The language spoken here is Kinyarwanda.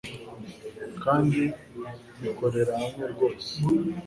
kandi bikorera hamwe byose.